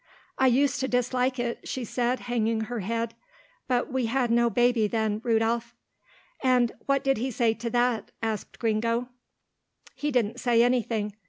"'I used to dislike it,' she said hanging her head, 'but we had no baby then, Rudolph.'" "And what did he say to that?" asked Gringo. "He didn't say anything.